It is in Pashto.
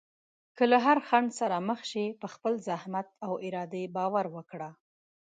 که له هر خنډ سره مخ شې، په خپل زحمت او ارادې باور وکړه.